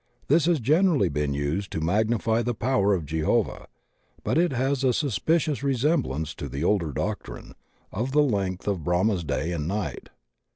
This has generally been used to magnify the power of Jehovah, but it has a suspicious resemblance to the older doctrine of the length of Brahma's day and night.